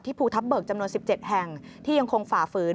ภูทับเบิกจำนวน๑๗แห่งที่ยังคงฝ่าฝืน